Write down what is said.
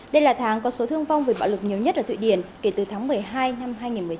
đây là tháng có số thương vong về bạo lực nhiều nhất ở thụy điển kể từ tháng một mươi hai năm hai nghìn một mươi chín